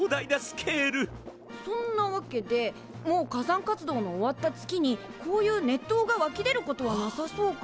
そんなわけでもう火山活動の終わった月にこういう熱湯がわき出ることはなさそうかな。